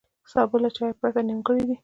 سبا له چای پرته نیمګړی دی.